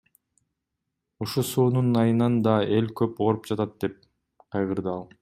Ушу суунун айынан да эл көп ооруп жатат, — деп кайгырды ал.